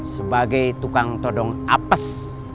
sebagai tukang to dong apes